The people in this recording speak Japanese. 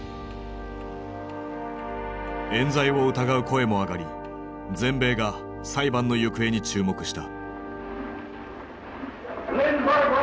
えん罪を疑う声も上がり全米が裁判の行方に注目した。